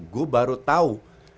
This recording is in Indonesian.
gue baru tahu